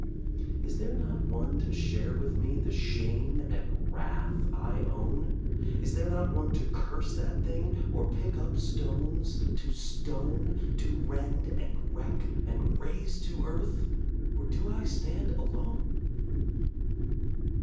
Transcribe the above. Is there not one to share with me The shame and wrath I own? Is there not one to curse that Thing Or pick up stones to stone To rend and wreck and raze to earth Or do I stand alone?